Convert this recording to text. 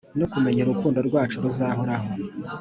no kumenya urukundo rwacu ruzahoraho